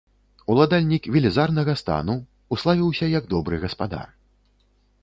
Уладальнік велізарнага стану, уславіўся як добры гаспадар.